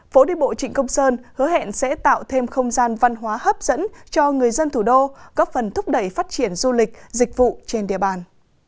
phố đi bộ trịnh công sơn hứa hẹn sẽ tạo thêm không gian văn hóa hấp dẫn cho người dân thủ đô góp phần thúc đẩy phát triển du lịch dịch vụ trên địa bàn